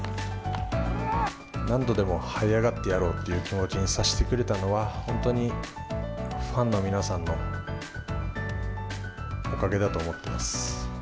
何度でもはい上がってやろうっていう気持ちにさせてくれたのは、本当にファンの皆さんのおかげだと思っています。